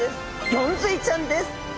ゴンズイちゃんです。